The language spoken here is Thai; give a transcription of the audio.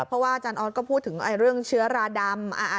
เพราะว่าอาจารย์ออสก็พูดถึงเรื่องเชื้อราดำ